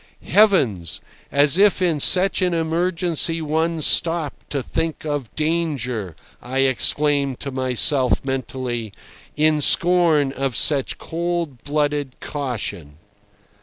"Heavens! as if in such an emergency one stopped to think of danger!" I exclaimed to myself mentally, in scorn of such cold blooded caution.